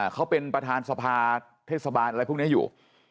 เขาเป็นประธานสภาเทศบาลอะไรพวกนี้อยู่